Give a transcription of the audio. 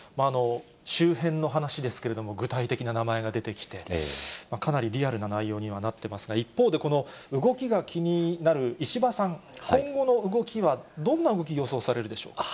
周辺の話ですけれども、具体的な名前が出てきて、かなりリアルな内容にはなっていますが、一方で、この動きが気になる石破さん、今後の動きはどんな向き、予想されるでしょうか。